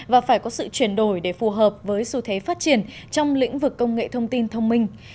và phải có sự chuyển đổi để phù hợp với xu thế phát triển trong lĩnh vực công nghệ thông tin thông minh